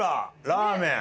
ラーメン。